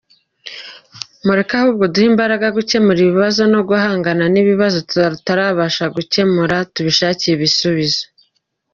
Mureke ahubwo duhe imbaraga gukemura ibibazo no guhangana n’ibibazo tutarabasha gukemura tubishakire ibisubizo.